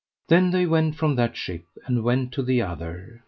Then they went from that ship, and went to the other.